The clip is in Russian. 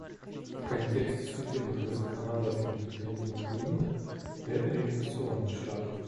В контексте судебных и законодательных механизмов Бенина — это революционный шаг.